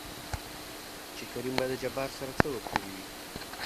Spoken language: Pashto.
چې کريم به د جبار سره څه کړې وي؟